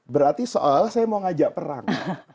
berarti soalnya saya mau ngajak perang